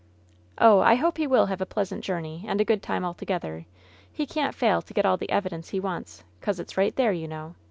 "Oh, I hope he will have a pleasant journey and a good time altogether I He can't fail to get all the evi dence he wants, 'cause it's right there, you know